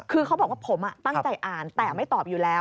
คือเขาบอกว่าผมตั้งใจอ่านแต่ไม่ตอบอยู่แล้ว